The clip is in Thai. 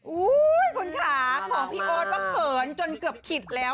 อุ้ยคุณค่ะของพี่โอ๊ตว่าเขินจนเกือบขิดแล้ว